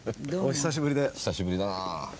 久しぶりだな。